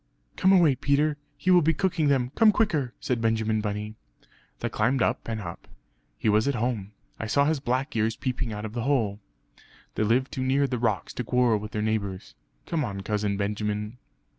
"Come away, Peter; he will be cooking them; come quicker!" said Benjamin Bunny. They climbed up and up; "He was at home; I saw his black ears peeping out of the hole." "They live too near the rocks to quarrel with their neighbours. Come on, Cousin Benjamin!"